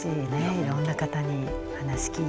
いろんな方に話聞いて。